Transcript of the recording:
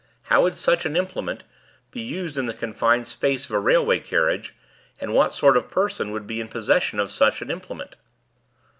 How would such an implement be used in the confined space of a railway carriage, and what sort of person would be in possession of such an implement?